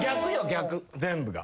逆全部が。